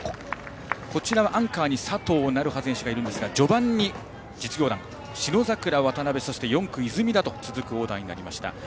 ここはアンカーに佐藤成葉選手がいるんですが序盤に実業団、信櫻、渡邊４区に出水田と続くオーダーになりました。